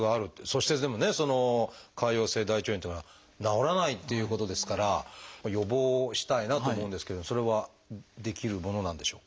そしてでもね潰瘍性大腸炎っていうのは治らないっていうことですから予防したいなと思うんですけれどもそれはできるものなんでしょうか？